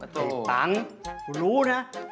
ตังค์เรารู้นะ